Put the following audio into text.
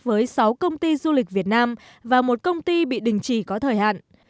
với sáu công ty du lịch việt nam và một công ty bị đình chỉ có thời hạn